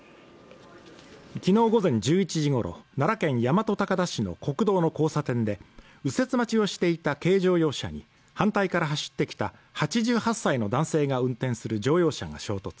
きのう午前１１時ごろ、奈良県大和高田市の国道の交差点で右折待ちをしていた軽乗用車に反対から走ってきた８８歳の男性が運転する乗用車が衝突。